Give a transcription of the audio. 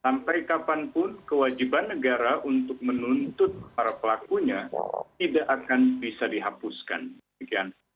sampai kapanpun kewajiban negara untuk menuntut para pelakunya tidak akan bisa dihapuskan